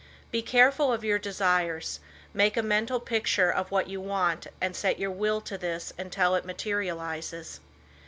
Be careful of your desires, make a mental picture of what you want and set your will to this until it materializes.